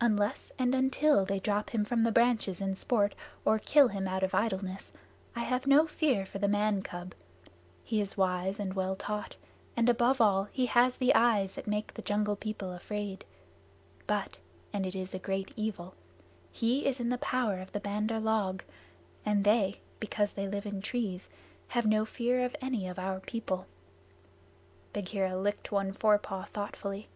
"Unless and until they drop him from the branches in sport, or kill him out of idleness, I have no fear for the man cub. He is wise and well taught, and above all he has the eyes that make the Jungle People afraid. But (and it is a great evil) he is in the power of the Bandar log, and they, because they live in trees, have no fear of any of our people." Bagheera licked one forepaw thoughtfully.